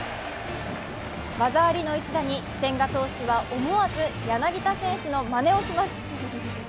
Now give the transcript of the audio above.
技ありの一打に千賀投手は思わず柳田選手のまねをします。